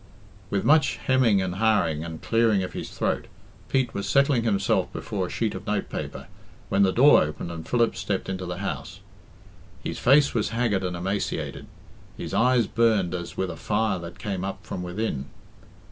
With much hem ing and ha ing and clearing of his throat, Pete was settling himself before a sheet of note paper, when the door opened, and Philip stepped into the house. His face was haggard and emaciated; his eyes burned as with a fire that came up from within.